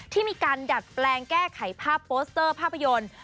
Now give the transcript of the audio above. ที่มีการดัดแปลงแก้ไขภาพโปสเตอร์ภาพยนตร์